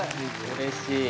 うれしい。